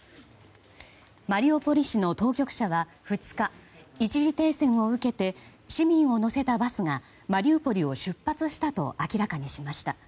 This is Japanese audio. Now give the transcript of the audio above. マリウポリ市の当局者は２日一時停戦を受けて市民を乗せたバスがマリウポリを出発したと明らかにしました。